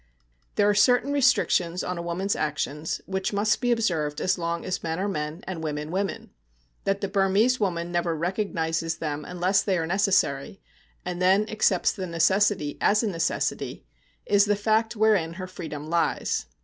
There are certain restrictions on a woman's actions which must be observed as long as men are men and women women. That the Burmese woman never recognises them unless they are necessary, and then accepts the necessity as a necessity, is the fact wherein her freedom lies.